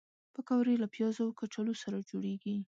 پکورې له پیازو او کچالو سره جوړېږي